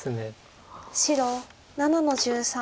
白７の十三。